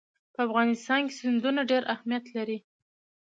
په افغانستان کې سیندونه ډېر اهمیت لري.